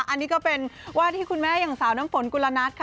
อันนี้ก็เป็นว่าที่คุณแม่อย่างสาวน้ำฝนกุลนัทค่ะ